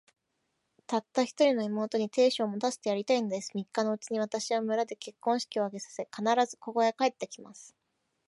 たった一人の妹に、亭主を持たせてやりたいのです。三日のうちに、私は村で結婚式を挙げさせ、必ず、ここへ帰って来ます。